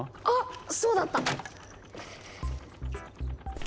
あっそうだった！